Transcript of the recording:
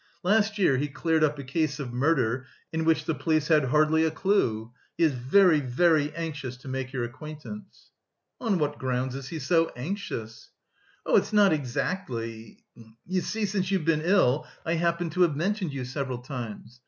Last year he cleared up a case of murder in which the police had hardly a clue. He is very, very anxious to make your acquaintance!" "On what grounds is he so anxious?" "Oh, it's not exactly... you see, since you've been ill I happen to have mentioned you several times....